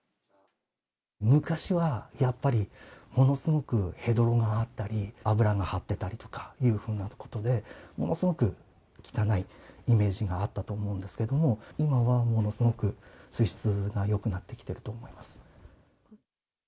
昔はやっぱり、ものすごくヘドロがあったり、油が張ってたりとかいうふうなことで、ものすごく汚いイメージがあったと思うんですけれども、今はものすごく水質がよくなってきていると思います。